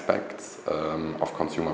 có một số cơ hội khác